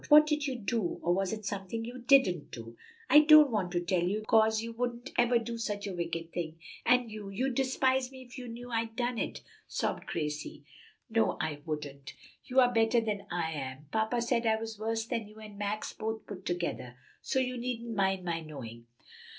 What did you do? or was it something you didn't do?" "I don't want to tell you, 'cause you wouldn't ever do such a wicked thing, and you you'd despise me if you knew I'd done it," sobbed Gracie. "No, I wouldn't. You are better than I am. Papa said I was worse than you and Max both put together. So you needn't mind my knowing."